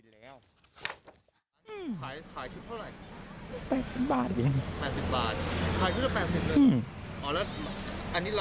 แล้วก็ฟังเสียงคนที่ไปรับของกันหน่อย